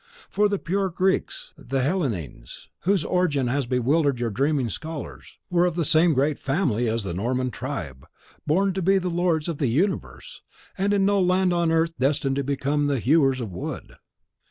For the pure Greeks, the Hellenes, whose origin has bewildered your dreaming scholars, were of the same great family as the Norman tribe, born to be the lords of the universe, and in no land on earth destined to become the hewers of wood.